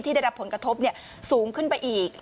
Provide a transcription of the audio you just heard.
ได้รับผลกระทบสูงขึ้นไปอีก